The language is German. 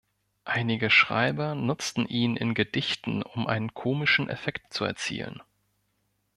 Einige Schreiber nutzten ihn in Gedichten, um einen komischen Effekt zu erzielen.